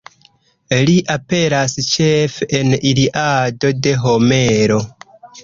Li aperas ĉefe en Iliado de Homero.